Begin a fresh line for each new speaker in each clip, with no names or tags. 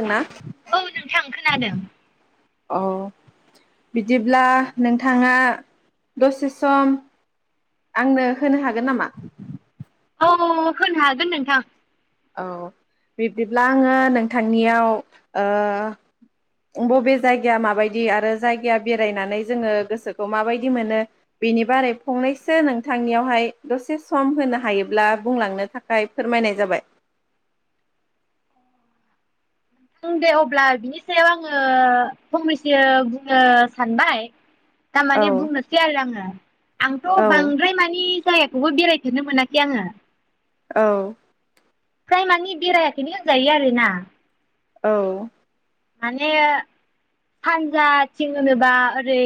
ओंना
औ नोंथां खोनादों
बिदिब्ला नोंथाङा दसे सम आंनो होनो हागोन नामा
औ होनो हागोन नोंथां
औ बिब्दिब्ला आङो नोंथांनियाव ओ बबे जायगाया माबायदि आरो जायगाया बेरायनानै जोङो गोसोखौ माबायदि मोनो बेनि बारै फंनैसो नोंथांनियावहाय दसे सम होनो हायोब्ला बुंलांनो थाखाय फोरमायनाय जाबाय
ओं दे अब्ला बिनि सायाव आङो फंनैसो बुंनो सानबाय दा
औ
माने बुंनोसै आरो आङो
औ
आंथ' बांद्राय मानि जायाखौबो बेरायफेरनो मोनाखै आङो
औ
फ्राय मानि बेरायाखैनो होनजायो आरो ना
औ
माने सानजा थिं होनोबा ओरै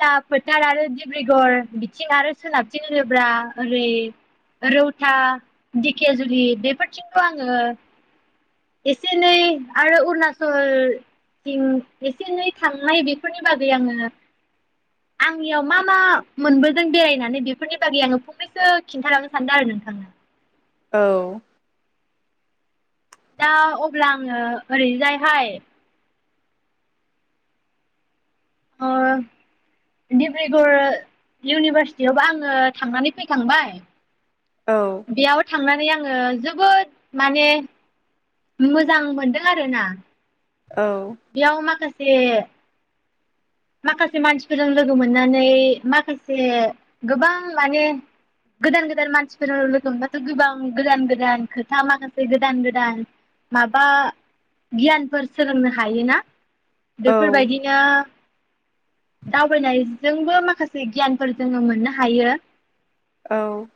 ला फोथार आरो डिब्रुगर बिथिं आरो सोनाबथिं होनोब्ला ओरै रौता दिकियाजुलि बेफोरथिंखौ आङो एसेनै आरो अरुणाचलथिं एसे एनै थांनाय बेफोरनि बागै आङो आंनियाव मा मा मोनबोदों बेरायनानै बेफोरनि बागै आङो फंनैसो खिन्थालांनो सानदों आरो नोंथांनो
औ
दा अब्ला आङो ओरैजायहाय ओ डिब्रुगर इउनिभारसिटियावबो आङो थांनानै फैखांबाय
औ
बेयाव थांनानै आं आङो जोबोद माने मोजां मोनदों आरोना
औ
बेयाव माखास से माखासे मानसिफोरजों लोगो मोननानै माखासे गोबां माने गोदान-गोदान मानसिफोरजों लोगो मोनबाथ' गोबां गोदान-गोदान खोथा माखासे गोदान-गोदान माबा गियानफोर सोलोंनो हायोना।
औ
बेफोर बायदिनो दावबायनाय जोंबो माखासे गियानफोर जोङो मोननो हायो।
औ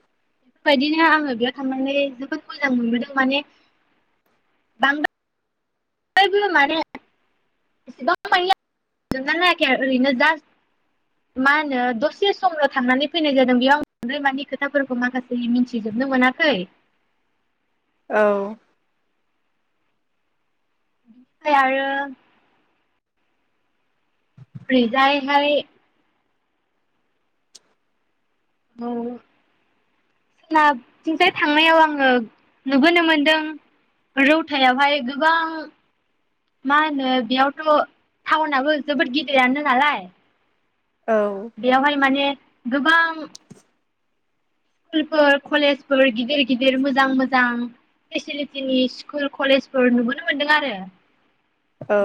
बेफोरबायदिनो आङो बेयाव थांनानै जोबोद मोजां मोनबोदों माने बांद्रा बो माने एसेबां मानि आं सोंना नायाखै ओरैनो जास्ट मा होनो दसे समनो थांनानै फैनाय जादों बेयाव बांद्राय मानि खोथा फोरखौ माखासे मिथिजोबनो मोनाखै।
औ
फै आरो ओरै जाय हाय औ सोनाब थिंजाय थांनायाव आङो नुबोनो मोनदों रौथायाव हाय गोबां मा होनो बेयावथ' टाउनाबो जोबोद गिदिरानो नालाय। बेयावहाय माने गोबां स्कुल फोर, कलेज फोर गिदिर-गिदिर, मोजां-मोजां फेसिलिटिनि स्कुल कलेजफोर नुबोनो मोनदों आरो।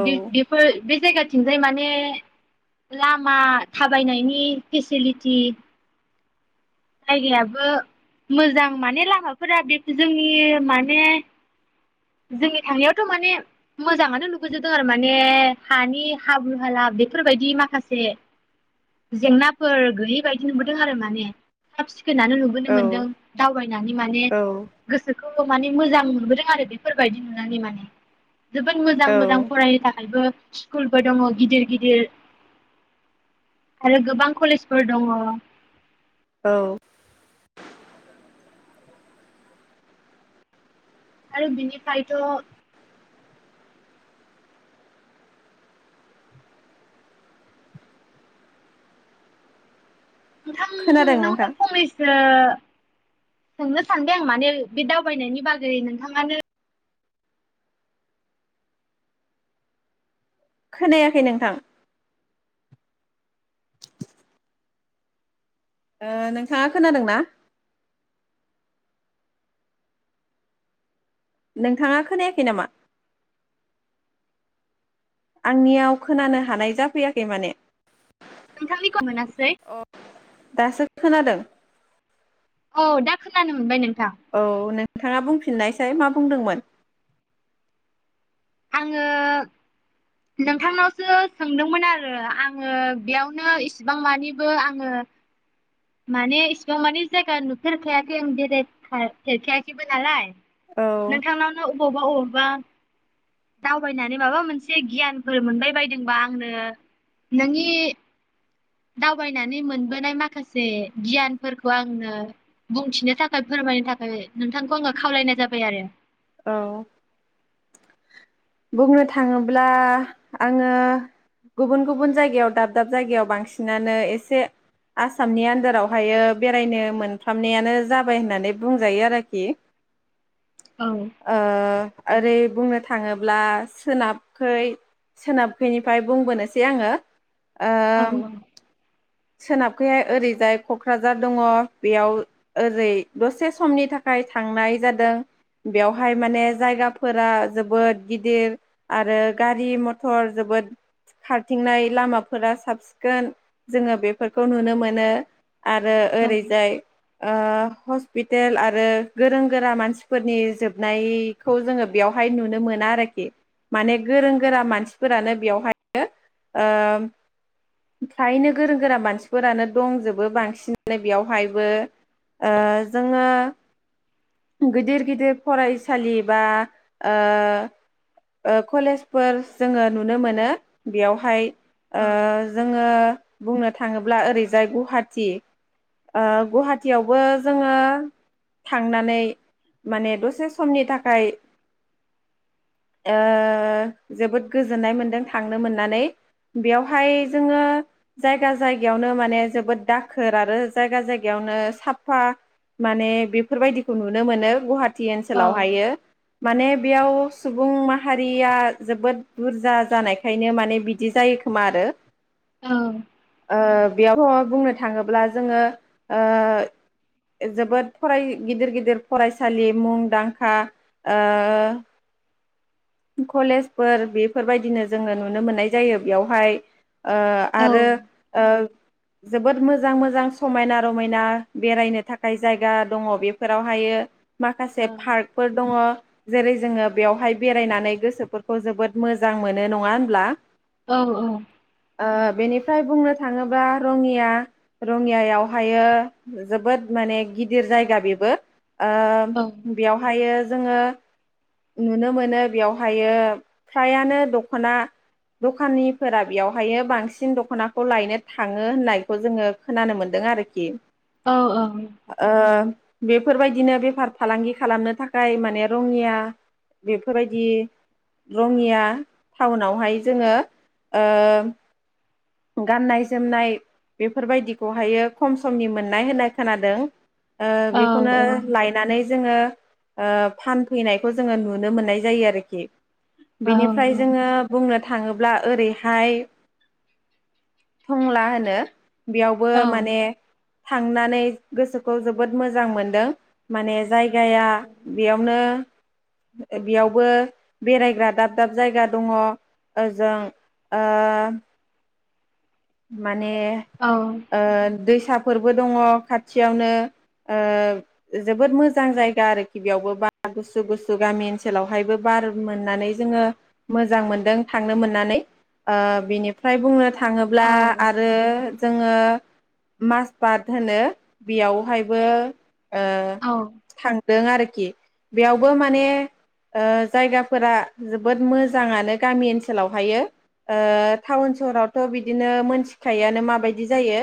बि बेफोर बे जायगा थिंजाय माने लामा थाबायनायनि फेसिलिटि जायगायाबो मोजां माने लामाफोरा बे जोंनि माने जोंनि थांनायावथ' माने मोजाङानो नुबो जोबदों आरो माने हानि हाब्रु हाला बेफोर बायदि माखासे जेंना फोर गैयै बायदि नुबोदों आरो माने। साब सि खोन आनो नुबोनो
औ
मोन्दों दावबायनानै माने
औ
गोसोखौ औ माने मोजां मोनबोदों आरो बेफोर बायदि नुनानै माने जोबोद मोजां
औ
मोजां फरायनो थाखायबो स्कुल फोर दङ गिदिर गिदिर आरो गोबां कलेज फोर दङ।
औ
आरो बिनि फ्रायथ' नोंथां
खोनादों नोंथां
नावनो फंनैसो सोंनो सानदों आं माने बे दावबायनायनि बागै नोंथाङानो
खोनायाखै नोंथां। ओ नोंथाङा खोनादोंना? नोंथाङा खोनायाखै नामा? आं नियाव खोनानो हानाय जाफै याखै माने।
नोंथांनिखौ मोनासै।
दासो खोनादों।
औ दा खोनानो मोनबाय नों
औ नों नोंथाङा बुंफिननाय साय मा बुंदोंमोन?
आङो नोंथां नावसो सोंदों मोन आरो आङो बेयावनो इसिबां मानिबो आङो माने इसिबां मानि जायगा नुफेर खायाखै आं बेराय खा फेरखाया खैबो नालाय।
औ
नोंथां नावनो अबावबा अह बा दावबायनानै माबा मोनसे गियानफोर मोनबाय बायदोंबा आंनो नोंनि दावबायनानै मोनबोनाय माखासे गियानफोरखौ आंनो बुंथिनो थाखाय फोरमायनो थाखाय नोंथांखौ आङो खावलायनाय जाबाय आरो
औ बुंनो थाङोब्ला आङो गुबुन गुबुन जायगायाव दाब दाब जायगायाव बांसिनानो एसे आसामनि आन्दारावहायो बेरायनो मोनफ्रामनायानो जाबाय होननानै बुंजायो आरोखि
औ
ओ आरै बुंनो थाङोब्ला सोनाबखै सोनाबखैनिफ्राय बुंबोनोसै आङो ओ सोनाबखैहाय ओरैजाय क'क्राझार दङ बेयाव ओरै दसे समनि थाखाय थांनाय जादों बेवहाय माने जायगाफोरा जोबोद गिदिर आरो गारि मथर जोबोद खारथिंनाय लामाफोरा साब सिखोन जोङो बेफोरखौ नुनो मोनो आरो ओरैजाय ओ हस्पितेल आरो गोरों गोरा मानसिफोरनि जोबनायखौ जोङो बेयाव हाय नुनो मोना आरोखि माने गोरों गोरा मानसिफोरानो बेवहाय फ्रायो ओ फ्रायनो गोरों गोरा मानसिफोरानो दंजोबो बांसिनानो बेयावहायबो जोङो गिदिर-गिदिर फरायसालि बा ओ ओ कलेजफोर जोङो नुनो मोनो बेयावहाय ओ जोङो बुंनो थाङोब्ला ओरैजाय गुहाटि गुहाटियावबो जोङो थांनानै माने दसे समनि थाखाय ओ जोबोद गोजोननाय मोनदों थांनो मोननानै बेवहाय जोङो जायगा जायगायावनो माने जोबोद दाखोर आरो जायगा जायगायावनो साफा माने बेफोरबायदिखौ नुनो मोनो गुहाट टि ओनसोलावहायो माने बेयाव सुबुं माहारिया जोबोद बुरजा जानायखायनो माने बिदि जायो खोमा आरो ओ बेयावह बुंनो थाङोब्ला जोङो ओ जोबोद फराय गिदिर गिदिर फरायसालि मुंदांखा ओ कलेजफोर बेफोरबायदिनो जोङो नुनो मोननाय जायो बेयावहाय ओ आरो ओ जोबोद मोजां मोजां समायना रमायना बेरायनो थाखाय जायगा दङ बेफोरावहायो माखासे पार्कफोर दङ जेरै जोङो बेयावहाय बे नानै गोसोफोरखौ जोबोद मोजां मोनो नङा होनब्ला
औ औ
ओ बेनिफाय बुंनो थाङोब्ला रङिया रङियायावहायो जोबोद माने गिदिर जायगा बेबो ओ बेयावहायो जोङो नुनो मोनो बेयावहायो फ्रायानो दख'ना दखानिफोरा बेयावहायो बांसिन दख'नाखौ लायनो थाङो होननायखौ जोङो खोनानो मोनदों आरोखि
औ औ
ओ बेफोरबायदिनो बेफार फालांगि खालामनो थाखाय माने रङिया बेफोरबायदि दि रङिया टाउनावहाय जोङो ओ गाननाय जोमनाय बेफोरबायदिखौहायो खम समनि मोननाय होननाय खोनादों। ओ बेखौनो लायनानै जोङो ओ फानफैनायखौ जोङो नुनो मोननाय जायो आरोखि। बिनिफ्राय जोङो बुंनो थाङोब्ला ओरैहाय टंला होनो बेयावबो माने थांनानै गोसोखौ जोबोद मोजां मोनदों माने जाय जायगाया बेयावनो [unintelligible] बेयावबो बेरायग्रा दाब दाब जायगा दङ ओजों ओ माने
औ
ओ दैसा फोरबो दङ खाथिनो ओ जोबोद मोजां जायगा आरोखि बेवबो बारा गुसु गुसु गामि ओनसोलावहाय बार मोन्नानै जोङो मोजां मोनदों थांनो मोन्नानै ओ बेनिफ्राय बुंनो थां ब्ला
औ
आरो जोङो माजबात होनो बेयावहायबो ओ
औ औ
थां दों आरोखि। बेयावबो माने ओ जायगाफोरा जोबोद मोजाङानो गामि ओन सोलावहायो ओ थावउन-सहारावथ' बि दिनो मोन थिखायोआनो माबायदि जायो।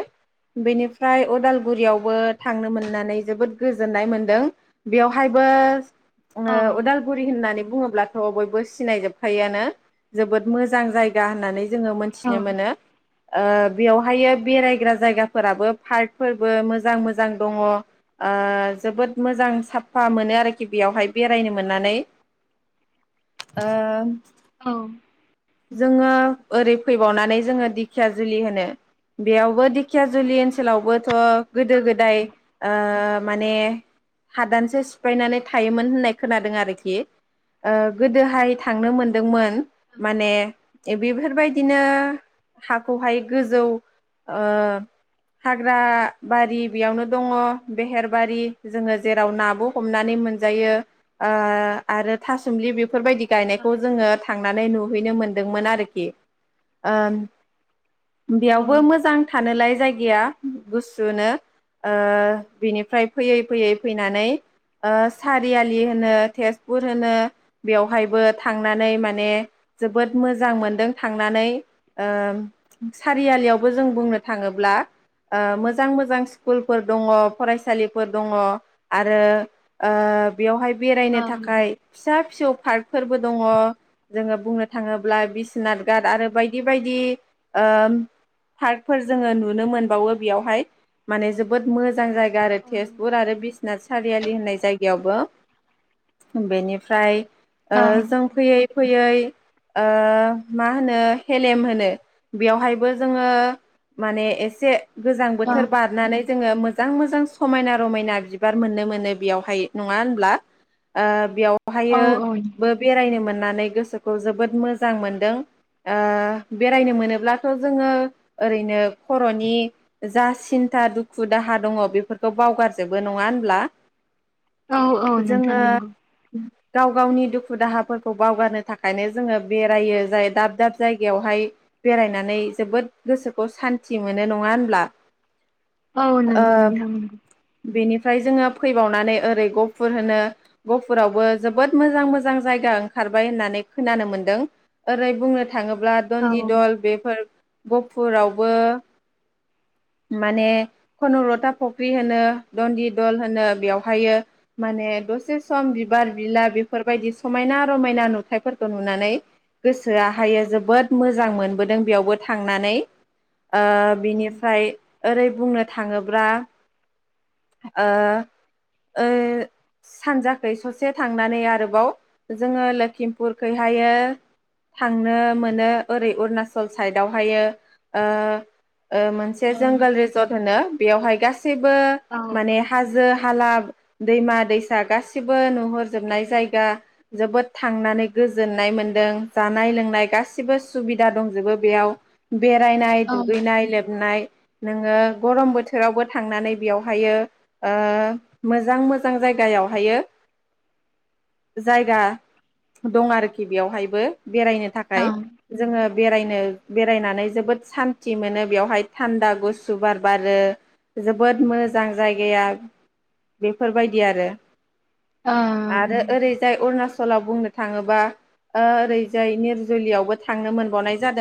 बेनिफ्राय उदालगुरियावबो थांनो मोननानै जोबोद गोजोननाय मोनदों। बेवहायबो उदालगुरि होननानै बुङोब्लाथ' बयबो सिनाय जोबखायोआनो जोबोद मोजां जायगा होननानै। जोङो मोनथिनो मोनो। ओ बेवहायो बेरायग्रा जायगाफोराबो पार्कफोरबो मोजां मोजां दङ। ओ जोबोद मोजां साफा मोनो आरोखि बेयावहाय बेरायनो मोननानै। ओ
औ
जोङो ओरै फैबावनानै जोङो दि खिया जुलि होनो। बेयावबो दिखिया जुलि ओनसोलावबोथ' गोदो-गोदाय ओ माने हादानसो सिफायनानै थायोमोन होननाय खोनादों आरोखि। ओ गोदोहाय थांनो मोनदोंमोन माने बेफोरबायदिनो हाखौहाय गोजौ ओ हाग्रा बारि बेयावनो दङ बेहेरबारि जोङो जेराव नाबो हमनानै मोनजायो ओ आरो थासुमलि बेफोरबायदि गायनायखौ जोङो थांनानै नु हैैनो मोनदोंमोन आरोखि ओ। बेयावबो मोजां थानोलाय जाय गाया गुसुनो। ओ बिनिफ्राय फैयै फैयै फैनानै ओ सारियालि होनो तेजपुर होनो बेवहायबो थांनानै माने जोबोद मोजां मोनदों थांनानै। ओ सारियालियावबो जों बुंनो थाङोब्ला ओ मोजां मोजां स्कुलफोर दङ फरायसालिफोर दङ आरो ओ। बेयावहाय बेरायनो थाखाय फिसा-फिसौ पार्क फोरबो दङ जोङो बुंनो थाङोब्ला बिसनाथ गाथ आरो बायदि बायदि। ओ पार्कफोर जोङो नुनो मोनबावो बेयावहाय माने जोबोद मोजां जाय गा आरो तेजपुर आरो बिस्नाथ सारियालि होननाय जायगायावबो। बेनिफ्राय ओ जों फैयै फैयै ओ मा होनो हेलेम होनो। बेयावहायबो जोङो माने एसे। गोजां बोथोर बारनानै जोङो मो मोजां मोजां समायना-रमायना बिबार मोननो मोनो बेयावहाय नङा होनब्ला? ओ बेयाव हायो बो बेरायनो मोन नानै गोसोखौ जोबोद मोजां मोनदों। ओ बेरायनो मोनो ब्लाथ' जोङो ओरैनो खर'नि जा सिन्था दुखु-दाहा दङ बेफोरखौ बावगार जोबो नङा होनब्ला?
औ-औ नोंथां
जोङो
नोंगौ।
गाव गावनि दुखु दाहाफोरखौ बावगारनो थाखायनो जोङो बेरायो जाय दाब दाब जायगायावहाय। बेरायनानै जोबोद गोसोखौ सान्थि मोनो नङा होनब्ला।
औ नंगौ नोंथां ओं।
फ्राय जोङो फैबावनानै ओरै गफुर होनो गफुरावबो जोबोद मोजां मोजां जायगा ओंखारबाय होननानै खोनानो मोन्दों। ओरै बुंनो थाङोब्ला
औ
दनदिट। बेफोर गुपुरावबो माने खनकलथा फख्रि होनो दन्दि दल होनो बेवहायो माने दसे सम बिबार बिला बेफोरबायदि समायना रमायना नुथाइफोरखौ नुनानै गोसोआ हायो जोबोद मोज जां मोनबोदों बेयावबो थांनानै। ओ बिनिफ्राय ओरै बुंनो थाङोब्ला ओ ओइ सानजाखै ससे थांनानै आरोबाव जोङो लोखिमपुरखैहायो थांनो मोनो। ओरै अरुनाचल साइदावहायो ओ। ओ मोनसे
औ
जंगोल रिजर्ट होनो बेयावहाय गासैबो
औ औ
माने हाजो हाला दैमा दैसा गासिबो नुहरजोबनाय जायगा जोबोद थांनानै गोजोननाय मोनदों जानाय लोंनाय गासिबो सुबिदा दंजोबो बेयाव। बेरायनाय दुगैनाय लोबनाय। नोङो गरम बोथोरावबो थांनानै बेवहायो ओ मोजां मोजां जायगायावहायो जायगा दं आरोखि बेवहायबो। बेरायनो थाखाय। जोङो बेरायनो बेरायनानै जोबोद सान्थि मोनो बेवहाय थान्दा गुसु बार बारो जोबोद मोजां जायगाया बेफोरबायदि आरो। आरो ओरैजाय अरुणाच चलाव बुंनो थाङोबा ओरैजाय निरजलियावबो थांनो मोनबावनाय जादों